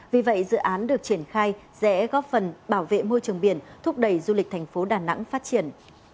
vì vậy dự án được triển khai sẽ góp phần bảo vệ môi trường biển thúc đẩy du lịch thành phố đà nẵng phát triển